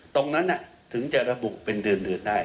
ตรงนั้นถึงจะระบุเป็นเดือนได้